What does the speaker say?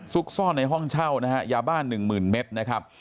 ซุกซ่อนในห้องเช่านะฮะยาบ้านหนึ่งหมื่นเม็ดนะครับ